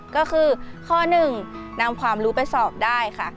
ก็คือข้อหนึ่งนำความรู้ไปสอบได้ค่ะ